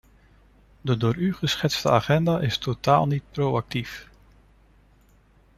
De door u geschetste agenda is totaal niet proactief.